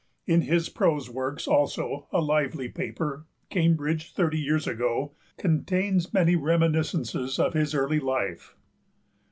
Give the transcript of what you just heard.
In his prose works also a lively paper, Cambridge Thirty Years Ago, contains many reminiscences of his early life.